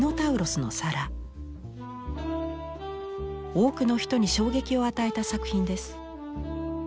多くの人に衝撃を与えた作品です。